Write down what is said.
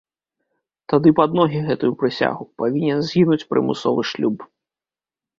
Тады пад ногі гэтую прысягу, павінен згінуць прымусовы шлюб.